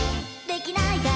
「できない』が」